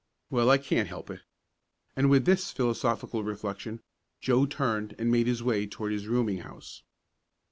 Well, I can't help it." And with this philosophical reflection Joe turned and made his way toward his rooming house.